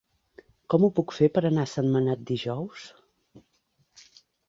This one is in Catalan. Com ho puc fer per anar a Sentmenat dijous?